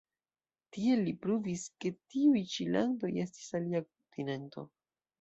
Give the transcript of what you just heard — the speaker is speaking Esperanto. Tiel li pruvis ke tiuj ĉi landoj estis alia kontinento.